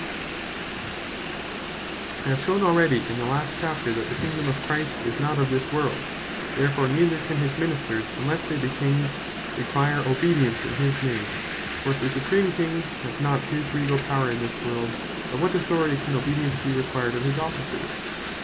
An Argument Thereof, The Power Of Christ Himself I have shewn already (in the last Chapter,) that the Kingdome of Christ is not of this world: therefore neither can his Ministers (unlesse they be Kings,) require obedience in his name. For if the Supreme King, have not his Regall Power in this world; by what authority can obedience be required to his Officers?